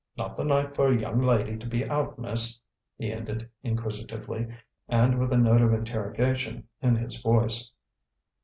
Not the night for a young lady to be out, miss," he ended inquisitively, and with a note of interrogation in his voice.